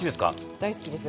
大好きですよ